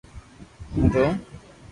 ھون رووُ